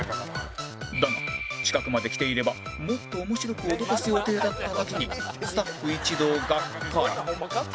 だが近くまで来ていればもっと面白く脅かす予定だっただけにスタッフ一同ガッカリ